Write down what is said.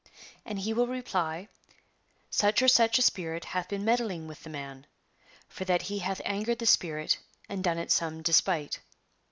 And he will reply :" Such or such a spirit hath been meddling with the man,'' for that he hath angered the spirit and done it some despite."